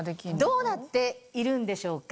どうなっているんでしょうか？